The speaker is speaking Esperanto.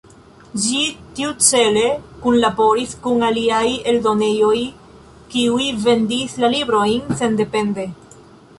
Ĝi tiucele kunlaboris kun aliaj eldonejoj kiuj vendis la librojn sendepende.